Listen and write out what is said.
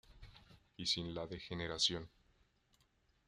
Y sin la degeneración.